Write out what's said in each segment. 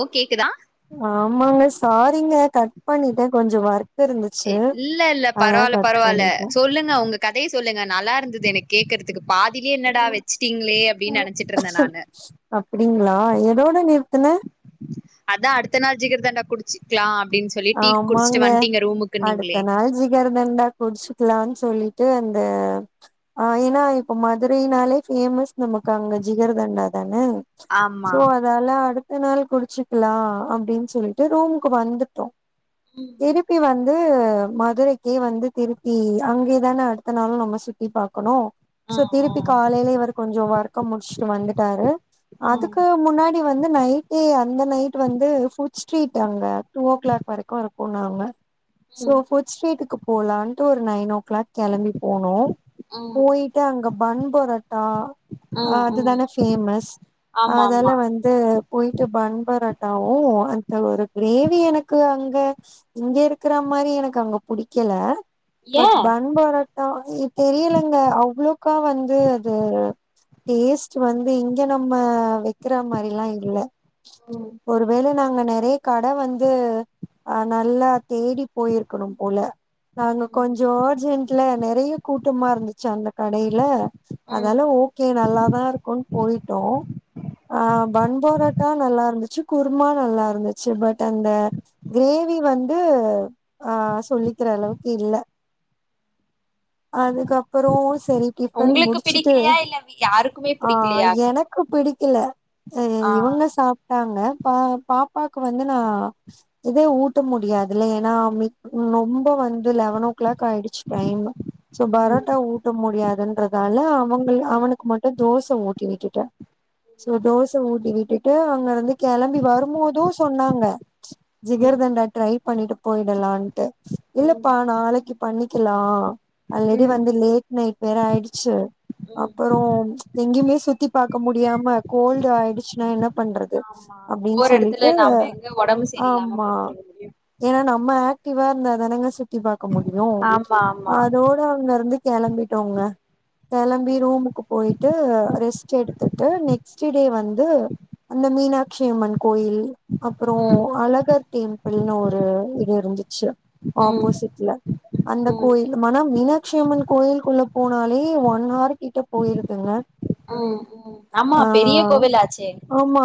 ஓ கேக்குதா ஆமாங்க சாரிங்க கட் பண்ணிட்ட கொஞ்சோ வர் ஏ இல்ல இல்ல பரவால்ல பரவால்ல பண்ணிட்டே சொல்லுங்க உங்க கதைய சொல்லுங்க நல்லாருந்துது எனக்கு கேக்கறதுக்கு பாதிலே என்னடா வெச்சுட்டீங்களே அப்டின்னு நெனச்சிட்டுருந்த நானு அப்டிங்களா எதோட நிறுத்துன அதா அடுத்த நாள் ஜிகரதண்டா குடிச்சிக்கலா அப்டின்னு சொல்லி டீ குடிச்சிட்டு வந்ட்டீங்க ரூமுக்குன்னீங்களே விரதோ இருந்தா குடிச்சுக்குலான்னு சொல்லிட்டு அந்த ஆ எனா இப்ப மதுரையினாலே பேமஸ் நமக்கு அங்க ஜிகரதண்டா தான ஆமா வேல அடுத்த நாள் குடிச்சுக்கலா அப்டின்னு சொல்ட்டு ரூமுக்கு வந்துட்டோ திருப்பி வந்து மதுரைக்கி வந்து திருப்பி அங்கயே தான அடுத்த நாளு நம்ம சுத்தி பாக்கணு ஆ சோ திருப்பி காலையிலயே இவரு கொஞ்சோ ஒர்க்க முடிச்சுட்டு வந்துட்டாரு ஆ ஆ அதுக்கு முன்னாடி வந்து நைட்டே அந்த நைட் வந்து ஃபுட் ஸ்ட்ரீட் அங்க டூ ஓ கிளாக் வரைக்கு இருக்குன்னாங்க ம் சோ ஸ்ட்ரீட்டுக்கு போகலாட்டு ஒரு நயன் ஓ கிளாக் கெளம்பி போனோ ம் போயிட்டு அங்க பண்பரட்டா ம் ம் அதுதான ஃபேமஸ் ஆமா ஆமா அதால வந் து போயிட்டு பன் பரட்டாவு அந்த ஒரு கிரேவி எனக் கு அங்க இங்க இருக்குற மாரி எனக்கு அங்க பிடிக்கல ஏ பட் ப ண் பராட்டா இ தெரியலங்க அவ்வளவுக்கா வந்து அது டேஸ்ட் வந்து இங்க நம்ம வக்கிற மாரில்லா இல்ல ம் ஒருவேள நாங்க நெறைய கடை வந்து ஆ நல்லா தேடி போயிருக்கணு போல நாங்க ம் கொஞ்சோ அர்ஜென்ட் னால நெறைய கூட்டமா இருந்துச்சா அந்த கடைல ம் அதால ஓகே நல்லாதா இருக்குன்னு போயிட்டோ ஆ பண் பரோட்டா நல்லா இருந்துச்சு குருமா நல்லா இருந்துச்சு பட் அந்த கிரேவி வந்து ஆ சொல்லிக்கிற அளவுக்கு இல்ல அதுக்கப்பறோ சேரி டிபன் உங்களுக்கு முடிச்சுட்டு பிடிக்கலையா இல்ல யாருக்குமே ஆ பிடிக்கலையா எனக்கு பிடிக்கல ஆ இவங்க சாப்ட்டாங்க பா பாப்பாக்கு வந்து நா இதே ஊட்ட முடியாதுல்ல ஏன்னா மி ரொம்ப வந்து லெவன் ஓ கிளாக் ஆயிடுச்சு டைம் சோ ம் பரோட்டா ஊட்ட முடியாதுன்றதால அவங்க அவனுக்கு மட்டு தோச ஊட்டி விட்டுட்டே சோ தோச ஊட்டி விட்டுட்டு அங்க இருந்து கெளம்பி வரும்போது சொன்னாங்க ம் ஜிகர்தண்டா ட்ரை பண்ணிட்டு போயிடலான்ட்டு இல்லப்பா ம் நாளைக்கு பண்ணிக்க லா ஆல்ரெடி ம் வந்து லேட் நைட் வேற ஆயிடுச்சு ம் அப்பறோ எங்கயுமே சுத்தி பாக்க முடியாம கோல்டு ஆயிடுச்சுன்னா என்ன பண்றது ஆமா அப்டின்னு போற சொல்லிட்டு எடத்துல நம்ம எங்க உடம்பு சரி இல்லாம ஆமா படுத்துருக்க முடியு ஏன்னா நம்ம ஆக்டிவா இருந்தா தானங்க சுத்தி பாக்க முடியு ஆமா ஆமா ரோடவுன்ல இருந்து கெளம்பிட்டோங்க கெளம்பி ம் ரூமுக்கு போயிட்டு ரெஸ்ட் எடுத்துட்டு நெக்ஸ்ட் டே வந் து அந்த மீனாட்சிஅம்மன் கோயில் அப்பறோ ம் அழகர் டெம்பிள்ன்னு ஒரு இது இருந்துச்சு ம் ஆப்போசிட்ல அந்த கோயில் மன மீனட்சியம்மன் கோயிலுக்குள்ள போனாலே ஒன் ஆர் கிட்ட போயிருக்குங்க ம் ம் ஆமா ஆ பெரிய கோவிலாச்சே ஆமா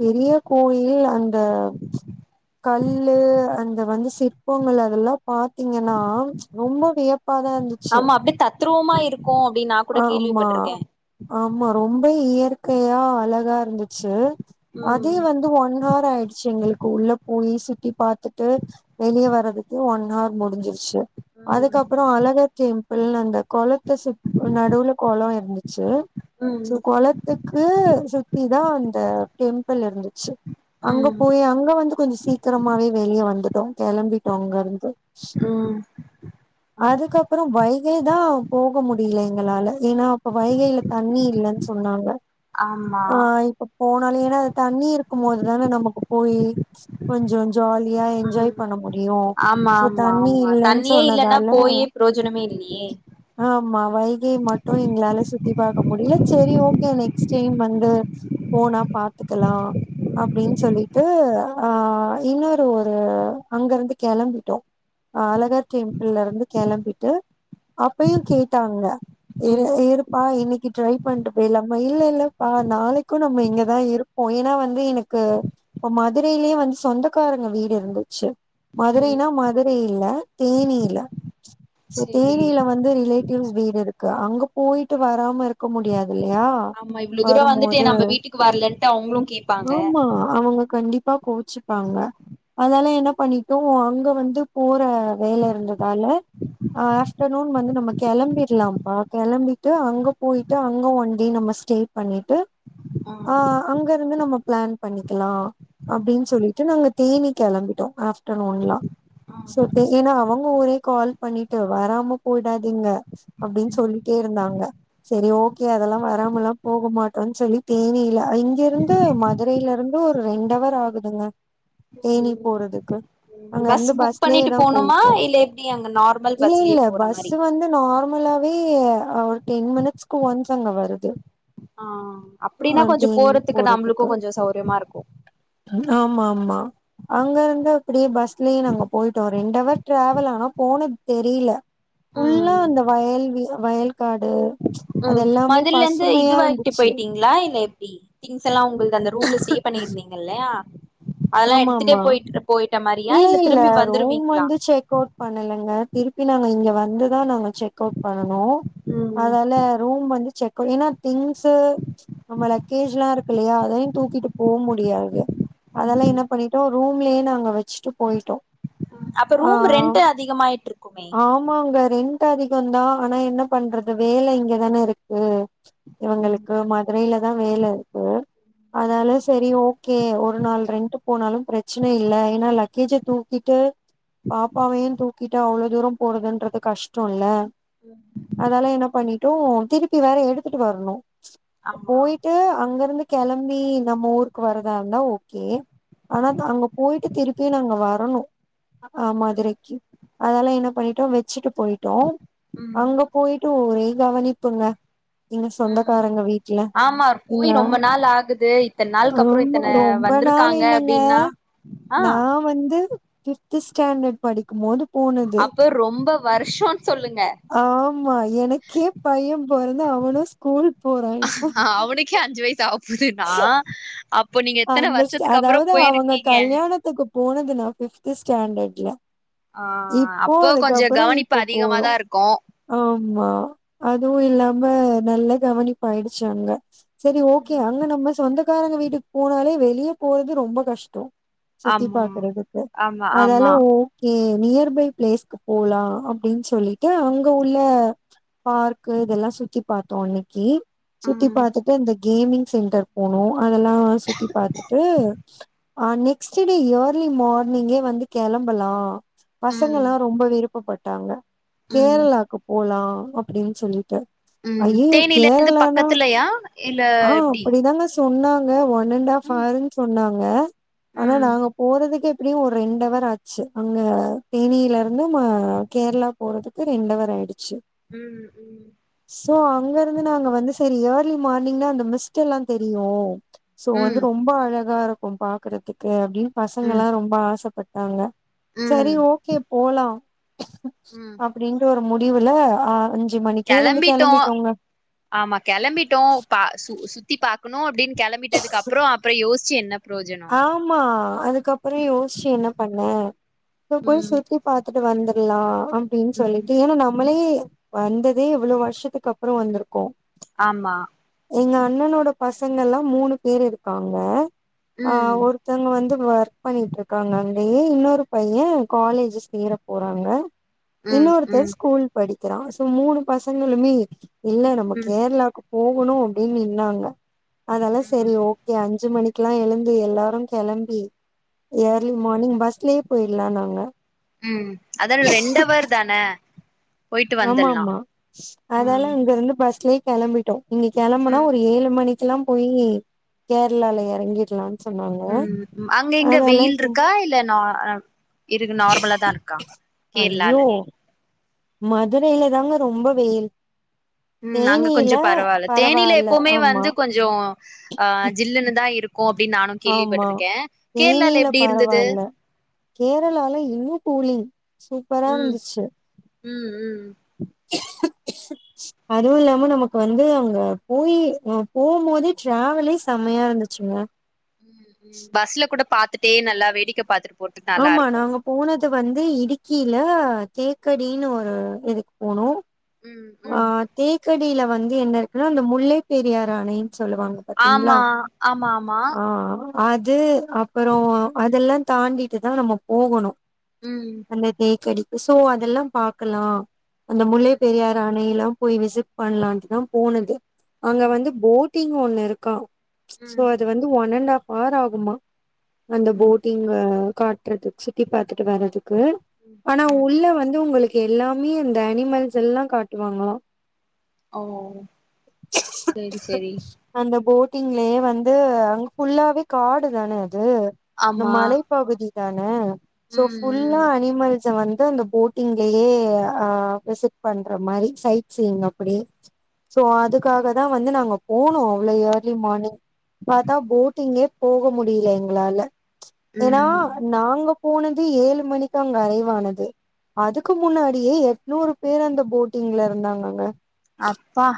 பெரிய கோயில் அந்த கல்லு அந்த வந்து சிற்பங்கள் அதெல்லா பாத்தீங்கன்னா ரொம்ப வியப்பாதா இருந்துச்சு தத்ருவமா இருக்கு அப்டின்னு நா கூட ஆமா கேள்விப்பட்ருக்கே ஆமா ரொம்ப இயற்கையா அழகா இருந்துச்சு அதே ம் வந் து ஒன் ஹவர் ஆயிடுச்சு எங்களுக்கு உள்ள போய் சுத்தி பாத்துட்டு வெளிய வர்றதுக்கே ஒன் ஹவர் முடிஞ்சிருச்சு ம் அதுக்கப்பறோ அழகர் டெம்பிள்னு அந்த கொளத்த சுத் ஒரு நடுவுல குளோ இருந்துச்சு ம் சோ கொலத் துக்கு சுத்தி தா அந்த டெம்பிள் இருந்துச்சு அங்க ம் போய் அங்க வந்து கொஞ்சோ சீக்கிரமாவே வெளிய வந்துட்டோ கெளம்பிட்டோ அங்க இருந்து ம் அதுக்கப்பறம் வைகைதா போக மு டியல எங்களால ஏன்னா அப்ப வைகைல தண்ணி இல்லன்னு சொன்னாங்க ஆமா போனாலு ஏனா அது தண்ணி இருக்கும் போது தானே நமக்கு போய் கொஞ்சொ ஜாலியா எஞ் ம் ஞ்ஜாய் பண்ண முடியு ஆமா சோ தண்ணி இல்லன்னு சொன்னதால ப்ரோஜனமே இல்லியே ஆமா வைகை மட்டு எங்களால சுத்தி பாக்க முடியல சரி ஓகே நெக்ஸ்ட் டைம் வந்து போனா பாத்துக்கலா அப்டின்னு சொல்லிட்டு அ இன்னோரு ஒரு அங்கருந்து கெளம்பிட்டோ ஆ அலகார் கெம்பிள்ல இருந்து கெளம்பிட்டு அப்பயு கேட்டாங்க ம் எல்லா இரு ப்பா இன்னைக்கு ட்ரை பண்ட்டு போய்லாம்ம இல்ல இல்ல பா நாளைக்கு நம்ம இங்கதா இரு ப்போ ஏனா வந்து எனக்கு இப்ப மதுரையிலயே வந்து சொந்தக்காரங்க வீடு இருந்துச்சு ம் மதுரைனா மதுரை இல்ல தேனில்ல சோ சேரி தேனியில வந்து ரிலேட்டிவ்ஸ் வீடு இருக்கு அங்க போயிட்டு வராம இருக்க முடியாது இல்லையா ஆமா இவ்ளோ தூரோ வந்துட்டு வரும்போது நம்ம வீட்டுக்கு வரலன்ட்டு அவுங்களு கேப்பாங்க ஆமா அவங்க கண்டிப்பா கோச்சுப்பாங்க அதனால என்ன பண்ணிட்டோ அங்க வந்து போற வேல இருந்ததால அ ஆஃப்டர்நூன் வந்து நம்ம கெளம்பிர்லாம்ப்பா கெளம்பிட்டு அங்க போய்ட்டு அங்க ஒன்டே நம்ம ஸ்டே பண்ணிட்டு ஆ ஆ அங்க இருந்து நம்ம பிளான் பண்ணிக்கலா ம் அப்டின்னு சொல்லிட்டு நாங்க தேனி கெளம்பிட்டோ ஆஃப்டர்நூன்லா ம் சோ ப்ப ஏன்னா அவங்க ஒரே கால் பண்ணிட் டு வராம போயிடாதீங்க அப்டின்னு சொல்லிட்டே இருந்தாங்க செரி ஓகே அதெல்லா வராமலா போகமாட்டோனு சொல்லி தேனில இங்கிருந்து மது மதுரையிலிருந்து ஒரு ரெண்டவர் ஆகுதுங்க தேனி போறதுக்கு அங்க பஸ் இருந்து புக் பஸ்லயே பண்ணிட்டு போணுமா இல்ல எப்டி அங்க நார் இல்லைல்ல பஸ்ஸு வந்து நார்மலாவே அ டென் மினிட்ஸ்க்கு ஒன்ஸ் அங்க வருது ஆ அப்டின்னா ஆ கொஞ்சொ தேனி போறதுக்கு நம்பளுக்கு கொஞ்சொ சௌரியமா இருக்கு அ ஆமா ஆமா அங்க இருந்து அப்டியே பஸ்லே நாங்க போயிட்டோ ரெண்டவர் டிராவல் ஆனா போன தெரில ஃபுல்லா ம் அந்த வயல் வி வயல் காடு மொதல்லருந்து இதுவாகிட்டு இருந்துச்சு போயிட்டீங்களா இல்ல எப்டி திங்க்ஸ் எல்லா உங்கள்து அந்த ரூம்ல ஸ்டே பண்ணிருந்தீங்கல்லயா அதெல்லா ஆமா எடுத்துட்டே ஆமா போய்ட்டு போய்ட்ட மாரியா இல்ல திரும்பி வந்திருவீங்ளா சேக்கோட் பண்ணலங்க திருப்பி நாங்க இங்க வந்துதா நாங்க செக் அவுட் பண்ணுனோ ம் அதால ரூம் வந்து செக் ஏன்னா திங்ஸ்சு நம்ம லக்கேஜ்லா இருக்குலையா அதையு தூக்கிட்டு போ முடியாது அதெல்லா என்ன பண்ணிட்டோ ரூம்லேயே நாங்க வச்சுட்டு போய்ட்டோ அப்ப ரூம் ரெண்ட் அதிகமாய்ட்டுருக்குமே ஆமாங்க ரெண்ட் அதிகந்தா ஆனா என்ன பண்றது வேல இங்கதானே இருக்கு ம் இவங்களுக்கு மதுரையிலதா வேல இருக்கு அதனால சரி ஓகே ஒரு நாள் ரெண்ட் போனாலு பிரச்சன இல்ல ஏனா லக் லக்கேஜ தூக்கிட்டு பாப்பாவையு தூக்கிட்டு அவ்ளோ தூரோ போறதுன்றது கஷ்டோல்ல ம் அதால என்ன பண்ணிட்டோ திருப்பி வேற எடுத்துட்டு வர்ணு ஆமா போயிட் ட்டு அங்க இருந்து கெளம்பி நம்ம ஊருக்கு வர்றதா இருந்தா ஓகே ஆனா அது அங்க போயிட்டு திருப்பி நாங்க வரணு ஆ ம் மதுரைக்கு அதனால என்ன பண்ணிட்டோ வெச்சுட்டு போயிடோ ம் அங்கப் போயிட்டு ஒரே கவனிப்புங்க எங்க ம் சொந்தகாரங்க வீட்ல ஆமா போய் எங்க ரொம்ப நாள் ஆகுது இத்தன் நாளுக்கு அப்புறோ ஆமா இத்தன ரொம்ப நாள் வந்திருக்காங்க இல்லங்க அப்டின்னா ஆ நா வந்து ஃபிப்த் ஸ்டாண்டர்ட் படிக்கும்போது அப்போ ரொம்ப வருஷோன் சொல்லுங்க ஆமா எனக்கே பையே பொறந்து அவனு ஸ்கூல் போறா இப்போ க்கே அஞ்சு வயசு ஆவ போதுன்னா அப்போ நீங்க எப் அந்த ஸ்ட அதாது அவுங்க கல்யாணத்துக்கு போனது நா ஃபிஃப்து ஸ்டாண்டர்ட்ல ஆ இப்போ அப்போ கொஞ்சோ அதுக்கப்புறோ கவனிப்பு இப்போ போறோ அதிகமாதா இருக்கு ஆமா அதுவு இல்லாம நல்ல கவனிப்பாயிடுச்சு அங்க செரி ஓகே அங்க நம்ம சொந்தக்காரங்க வீட்டுக்கு போனாலே வெளியே போறது ரொம்ப கஷ்டோ சுத்தி ஆமா பாக்குறதுக்கு ஆமா அதால ஆமா ஓ ஏ நியர்பை பிளேஸ்க்கு போலா அப்டின் சொல்லிட்டு அங்க உள்ள பார்க்கு இதெல்லா சுத்தி பாத்தோ அன்னிக்கி சுத்தி ம் பாத்துட்டு அந்த கேமிங் சென்டர் போனோ அதெல்லா சுத்தி பாத்துட்டு ஆ நெக்ஸ்ட் டே இயர்லி மார்னிங்கே வந்து கிளம்பலா ம் பசங்கலா ரொம்ப விருப்பப்பட்டாங்க ம் கேரளாக்கு போலா அப்டின் சொல்லிட்டு ஐயையோ கேரளானா யா இல்ல ஆ எப்டி அப்டிதாங்க சொன்னாங்க ஒன் அண்ட் ஆஃப் ம் ஹவருன்னு சொன்னாங்க ஆனா ம் நாங்க போறதுக்கே எப்டியு ஒரு ரெண்டு ஹவர் ஆச்சு அங்க தேனிலருந்து மா கேரளா போறதுக்கு ரெண்டவர் ஆயிடுச்சு ம் ம் சோ அங்கருந்து நாங்க வந்து செரி இர்லி மார்னிங் அந்த மிஸ்ட் எல்லா தெரியு சோ ம் வந்து ரொம்ப அழகா இருக்கு பாக்குறதுக்கே அப்டின் ம் பசங்கல்லா ரொம்ப ஆசப்பட்டாங்க சரி ம் ஓகே போலா ம் அப்டின்ற ஒரு முடிவுல ஆ ம் கிளம்பிட்டோ ஆமா கிளம்பிட்டோ பா சு சுத்தி பாக்குணு அப்டின் கிளம்பிட்டதுக்கு அப்றோ அப்றோ யோஸ்சி என்ன பிரயோஜனோ ஆமா அதுக்கப்பறோ யோசிச்சி என்ன பண்ண இப்ப போய் ம் சுத்தி பாத்துட்டு வந்துர்லா அப்டின்னு ம் சொல்லிட்டு ஏன்னா நம்ளே வந்ததே இவ்ளோ வருஷத்துக்கு அப்றோ வந்திருக்கோ ஆமா எங்க அண்ணனோட பசங்க எல்லா மூணு பேர் இருக்காங்க ம் ஒருத்தவங்க வந்து ஒர்க் பண்ணிட்டு இருக்காங்க அங்கயே இன்னொரு பையே காலேஜ் சேர போறாங்க ம் இன்னொருத்தர் ம் ஸ்கூல் படிக்கிறா சோ மூணு பசங்களுமே இல்ல நம்ம ம் கேரளாக்கு போகணு அப்படின்னு நின்னாங்க அதெல்லா சரி ம் ஓகே அஞ்சு மணிக்கு எல்லா எழுந்து எல்லாரு கிளம்பி ஏர்லி மார்னிங் பஸ்லயே போயிடலாம் நாங்க உம் அதாவது ரெண்டவறு தான போயிட்டு ஆமா வந்துர்லா ஆமா அதால ம் அங்க இருந்து பஸ்லயே கிளம்பிட்டோம் இங்க கிளம்புனா ம் ஒரு ஏழு மணிக் குல்லா போய் கேரளால இறங்கிடலா உம் அங்க இங்க வெயில் இருக்கா இல்ல நா இருக்கு நார்மலா தா இருக்கா கேரளால ஐயோ மதுரையில தாங்க ரொம்ப வெயில் ம் அங்க தேனில கொஞ்சோ பரவாயில்ல தேனில பரவால்ல எப்பவுமே ஆமா வந்து கொஞ்சோ அ ஜில்லுன்னு தா இருக்கு கு அப்படின் நானும் ஆமா கேள்விப்பட்டிருக்கே கேரளால தேனில எப்படி இருந்தது பரவால்ல கேரளால இன்னும் கூலிங் சூப்பரா இருந்துச்சு உம் உம் அதுவும் இல்லாம நமக்கு வந்து அங்க போய் போம் போதே டிராவலே செமையா இருந்துச்சுங்க ம் பஸ்ல கூட பாத்துட்டே நல்லா வேடிக்க பாத்துட்டு போறதுக்கு நல்லா ஆமா இருக்கு நாங்க போனது வந்து இடிக்கில தேக்கடினு ஒரு இதுக்கு போனோ ம் ஆ ம் தேக்கடியில வந்து என்ன இருக்குனா அந்த முல்லை பெரியார் அணைன்னு சொல்லுவாங்க பாத்தீங்களா ஆமா ஆமா ஆமா ஆ ஆ அது அப்புறோ அதெல்லா தாண்டிட்டு தா நம்ம போகணு உம் அந்த தேக்கடிக்கு சோ அதெல்லா பாக்கலா அந்த முல்லை ம் பெரியார் அணை எல்லா போய் விசிட் பண்ணலாம்ட்டுதா போனது அங்க ம் வந்து போட்டிங் ஒண்ணு இருக்கா சோ ம் அது வந்து ஒன் அண்ட் ஹாப் அவர் ஆகுமா அந்த ம் போட்டிங்கு காட்டுறது சுத்தி பாத்துட்டு வர்றதுக்கு ஆனா உள்ள வந்து உங்களுக்கு எல்லாமே இந்த அனிமல்ஸ் எல்லா காட்டுவாங்களாம் ஓ செரி செரி அந்த போட்டிங்லயே வந்து அங்க ஃபுல்லாவே காடு தான அது அந்த ஆமா மலை பகுதி தான சோ ஃபுல்லா ம் அனிமல்ஸ்ஸ வந்து அந்த போட் டிங்லயே அ விசிட் பண்ற மாரி சைட் சீயிங் அப்டி சோ அதுக்காக தா வந்து நாங்க போனோ அவ்ளோ ஏர்லி மார்னிங் பாத்தா போட்டிங்கே போக முடியல எங்களால ம் ஏனா ம் நாங்க போனது ஏழு மணிக்கு அங்க அறைவானது அதுக்கு முன்னாடியே எட்நூறு பேர் அந்த போட்டிங்ல இருந்தாங்கங்க அப்பா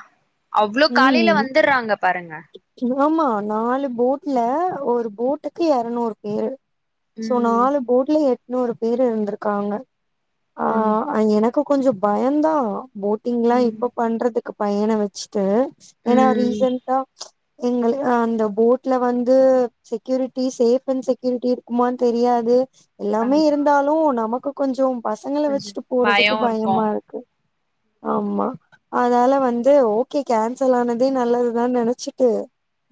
அவ்வளோ காலையில ம் வந்துர்றாங்க பாருங்க ஆமா நாலு போட்ல ஒரு போட்டுக்கு எறநூறு பேரு சோ ம் நாலு போட்ல எட்நூறு பேர் இருந்துருக்காங்க ஆ ம் அங்க என க்கு கொஞ்சோ பயம் தா போட்டிங்ல்லா ம் இப்ப பண்றதுக்கு பையன வச்சுட்டு ஏன்னா ம் ரீசன்டா எங்களுக் ஆ அந்த போட்ல வந்து செக்யூரிட்டி சேஃப் அண்ட் செக்யூரிட்டி இருக்குமான் தெரியாது எல்லாமே ஆமா இருந்தாலு நமக்கு கொஞ்சோ பசங்கள கொஞ்சோ வச்சுட்டு பயோ போறதுக்கு இருக்கு பயமா இருக் ஆமா அதால வந்து ஓகே கேன்சல் ஆனதே நல்லது நா நெனச்சிட்டு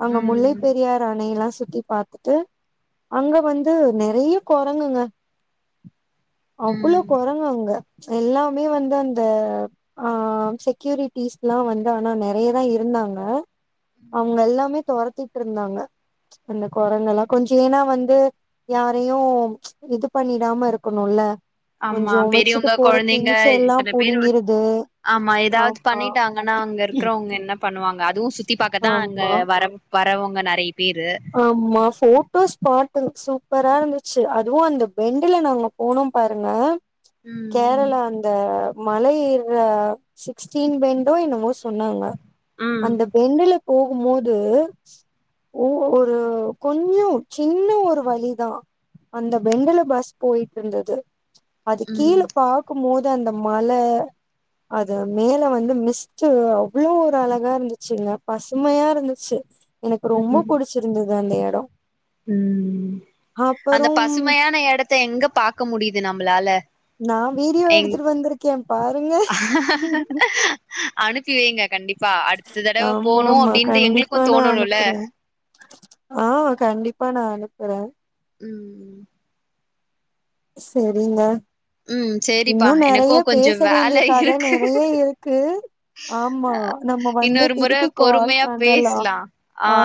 அங்க முல்லை ம் பெரியார் அணையெல்லா சுத்தி பாத் துட்டு அங்க வந்து நெறைய கொரங்குங்க அவ்ளோ ம் கொரங்கு அங்க எல்லாமே வந்து அந்த ஆ செக்யூரிட்டிஸ்ல்லா வந்து ஆனா நெறையதா இருந்தாங்க அவங்க எல்லாமே தொரத்திட்ருந்தாங்க அந்த கொரங்கல்லா கொஞ்சோ ஏனா வந்து யாரையு இது பண்ணிடாம இருக்கணுல்ல ஆமா கொஞ்சோ வச்சுட்டு பெரியவங்க போற கொழந்தைங்க திங்ஸ் எல்லா இத்தன பேரு வந் புடுங்கிருது ஆமா ஏதாது ஆமா பண்ணிட்டா ண்ணா அங்க இருக்கறவங்க என்ன பண்ணுவாங்க அதுவு சுத்தி பாக்கதா அங்க ஆமா வர வரவங்க நெறைய பேரு ஆமா போட்டோ ஸ்பாட்டு சூப்பரா இருந்துச்சு அதுவு அந்த பெண்டுல நாங்க போனோ பாருங்க ம் கேரளா அந்த மலை ஏர்ற சிக்ஸ்டீன் பென்டோ என்னவோ சொன்னாங்க ம் அந்த பெண்டுல போகும்போது உ ஒரு கொஞ்சோ சின்ன ஒரு வழிதா அந்த பெண்டுல பஸ் போயிட்ருந்தது அது கீழ ம் பாக் க்கும் போது அந்த மல அது மேல வந்து மிஸ்ட்டு அவ்ளோ ஒரு அழகா இருந்துச்சுங்க பசுமையா இருந்துச்சு எனக்கு ரொம்ப ம் புடிச்சுருந்தது அந்த எடோ ம் அந்த அப்பறம் பசுமையான எடத்த எங்க பாக்க முடிது நம்மளால நா வீடியோ எங் எடுத்துட்டு வந்துருக்கே பாருங்க அனுப்பி வைங்க கண்டிப்பா அடுத்த தடவ ஆமா போணு ஆமா அப்டின்ட்டு எங்ளுக்கு கண்டிப்பா நா தோணணுல்ல அனுப்புறே ஆ கண்டிப்பா நா அனுப்புறே ம் சரிங்க ம் சரிப்பா இன்னு நெறைய எனக்கு கொஞ்சோ பேச வேல வேண்டிய கத இருக்கு நெறைய இருக்கு ஆம்மா நம்ம வந்து இன்னொரு முற திருப்பி கால் பொறுமையா பண்ணலா பேசலா ஆ